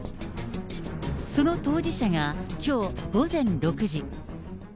その当事者がきょう午前６時。